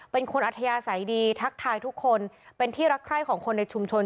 อัธยาศัยดีทักทายทุกคนเป็นที่รักใคร่ของคนในชุมชน